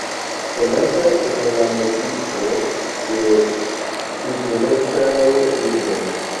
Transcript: Konata en la medio de intelektaj ludoj.